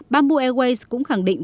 bamboo airways cũng khẳng định